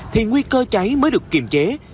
thì nguy cơ cháy mới được kiềm chế